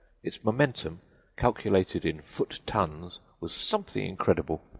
Its momentum, calculated in foot tons, was something incredible.